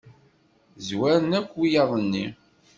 Zwaren akk wiyaḍ-nni.